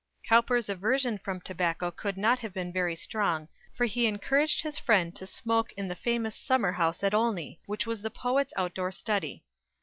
Cowper's aversion from tobacco could not have been very strong, for he encouraged his friend to smoke in the famous Summer House at Olney, which was the poet's outdoor study.